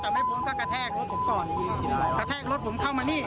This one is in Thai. แต่แม่ผมก็กระแทกรถผมก่อนกระแทกรถผมเข้ามานี่